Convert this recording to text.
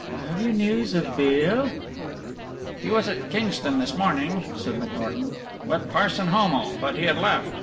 "Have you news of Beale?" "He was at Kingston this morning," said McNorton, "with Parson Homo, but he had left.